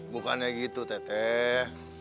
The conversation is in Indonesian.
bukannya gitu teteh